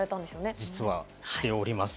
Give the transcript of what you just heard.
実はしております。